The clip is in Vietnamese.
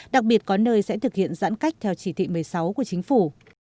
đặc biệt có nơi sẽ thực hiện giãn cách theo chỉ thị một mươi sáu của chính phủ